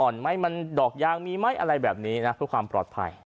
อ่อนไหมดอกยางมีมั้ยอะไรแบบนี้นะเพื่อความปลอดภัย